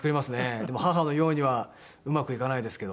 でも母のようにはうまくいかないですけど。